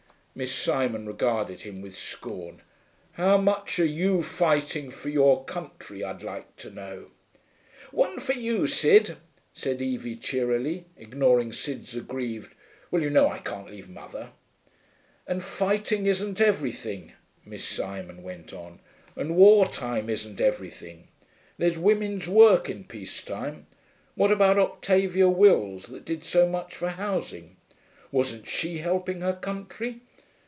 Miss Simon regarded him with scorn. 'How much are you fighting for your country, I'd like to know?' 'One for you, Sid,' said Evie cheerily, ignoring Sid's aggrieved, 'Well, you know I can't leave mother.' 'And fighting isn't everything,' Miss Simon went on, 'and war time isn't everything. There's women's work in peace time. What about Octavia Wills that did so much for housing? Wasn't she helping her country?